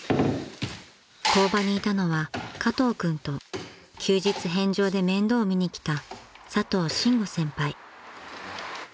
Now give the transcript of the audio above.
［工場にいたのは加藤君と休日返上で面倒を見に来た］